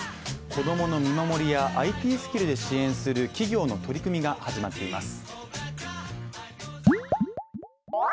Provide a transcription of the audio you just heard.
子供の見守りやＩＴスキルで支援する企業の取り組みが始まっています。